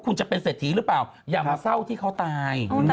คุณจะเป็นเศรษฐีหรือเปล่าอย่ามาเศร้าที่เขาตาย